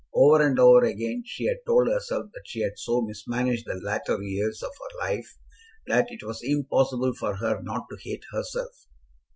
Over and over again she had told herself that she had so mismanaged the latter years of her life that it was impossible for her not to hate herself.